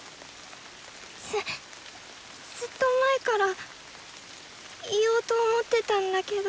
ずずっと前から言おうと思ってたんだけど。